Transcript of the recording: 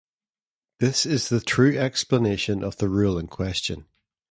This is the true explanation of the rule in question.